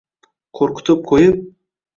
Qo‘rqitib qo‘yib